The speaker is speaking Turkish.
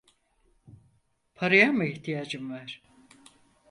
Paraya mı ihtiyacın var?